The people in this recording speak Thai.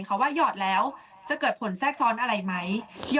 เขาว่าหยอดแล้วจะเกิดผลแทรกซ้อนอะไรไหม